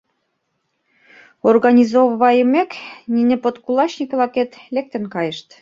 Организовайымек, нине подкулачник-влакет лектын кайышт.